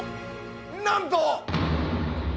なんと！